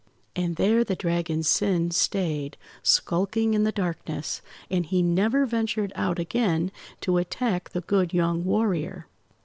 And there the Dragon Sin stayed, skulking in the darkness; and he never ventured out again to attack the good young warrior.